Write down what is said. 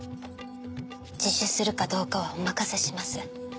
自首するかどうかはお任せします。